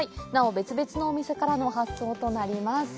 別々のお店からの発送となります。